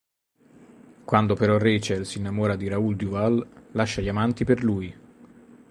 Quando però Rachel si innamora di Raoul Duval, lascia gli amanti per lui.